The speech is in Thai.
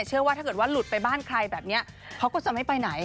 เชื่อว่าถ้าเกิดว่าหลุดไปบ้านใครแบบนี้เขาก็จะไม่ไปไหน